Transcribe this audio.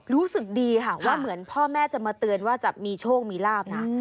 รู้สึกดีค่ะว่าเหมือนพ่อแม่จะมาเตือนว่าจะมีโชคมีลาบนะ